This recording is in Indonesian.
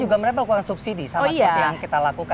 juga mereka melakukan subsidi sama seperti yang kita lakukan